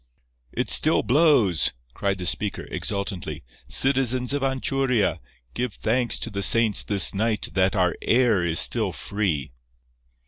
"It still blows," cried the speaker, exultantly. "Citizens of Anchuria, give thanks to the saints this night that our air is still free."